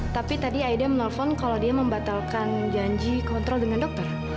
tapi tadi aida menelpon kalau dia membatalkan janji kontrol dengan dokter